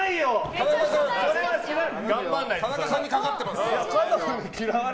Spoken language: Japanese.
田中さんにかかってます。